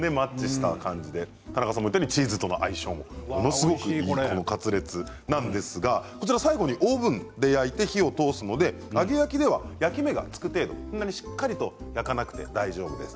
田中さんもおっしゃったようにチーズとの相性もいいカツレツなんですが最後にオーブンで焼いて火を通すので揚げ焼きでは焼き目がつく程度そんなしっかりと焼かなくても大丈夫です。